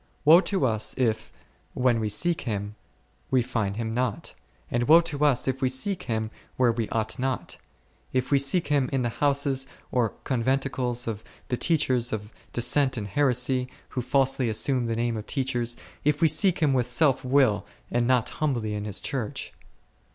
Woe to us if, when we seek Him, we find Him not ! and woe to us if we seek Him where we ought not ; if we seek Him in the houses or conventicles of the teachers of dissent and heresy, who falsely assume the name of teachers ; if we seek Him with self will and not humbly in His Church.